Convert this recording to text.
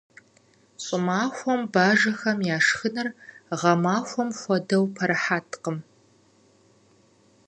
ЩӀымахуэм бажэхэм я шхыныр гъэмахуэм хуэдэу пэрыхьэткъым.